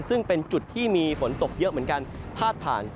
ซึ่งเป็นจุดที่มีฝนตกเยอะเหมือนกันพาดผ่าน